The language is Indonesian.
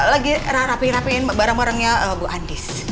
lagi rapihin rapihin barang barangnya bu andis